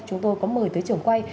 chúng tôi có mời tới trưởng quay